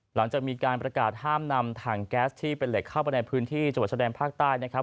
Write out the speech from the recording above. หลังจากมีการประกาศห้ามนำถังแก๊สที่เป็นเหล็กเข้าไปในพื้นที่จังหวัดชะแดนภาคใต้นะครับ